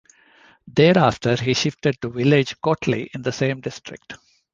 Thereafter he shifted to village Kotli in the same district.